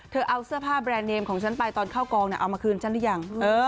เอาเสื้อผ้าแบรนด์เนมของฉันไปตอนเข้ากองเอามาคืนฉันหรือยัง